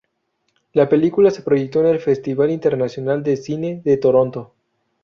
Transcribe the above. La película se proyectó en el Festival Internacional de Cine de Toronto.